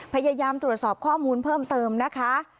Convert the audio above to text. พยายามตรวจสอบข้อมูลเพิ่มเติมนะคะ